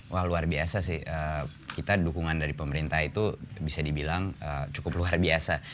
wah luar biasa sih kita dukungan dari pemerintah itu bisa dibilang cukup luar biasa